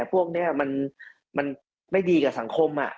พวกนี้มันไม่ดีกับสังคม